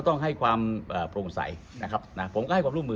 มองว่าเป็นการสกัดท่านหรือเปล่าครับเพราะว่าท่านก็อยู่ในตำแหน่งรองพอด้วยในช่วงนี้นะครับ